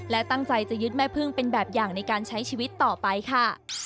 และตั้งใจจะยึดแม่พึ่งเป็นแบบอย่างในการใช้ชีวิตต่อไปค่ะ